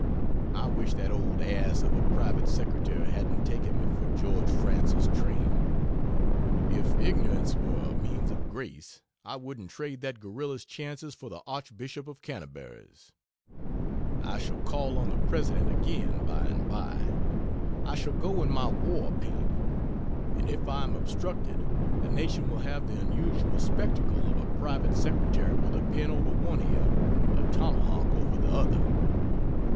I wish that old ass of a private secretary hadn't taken me for George Francis Train. If ignorance were a means of grace I wouldn't trade that gorilla's chances for the Archbishop of Canterbury's. I shall call on the President again, by and by. I shall go in my war paint; and if I am obstructed the nation will have the unusual spectacle of a private secretary with a pen over one ear a tomahawk over the other.